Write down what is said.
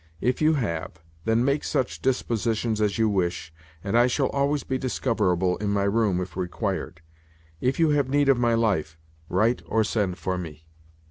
If you have, then make such dispositions as you wish, and I shall always be discoverable in my room if required. If you have need of my life, write or send for me."